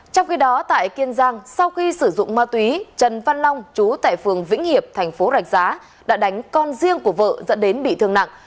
trong khi đó tại kiên giang sau khi sử dụng ma túy trần văn long chú tại phường vĩnh hiệp thành phố rạch giá đã đánh con riêng của vợ dẫn đến bị thương nặng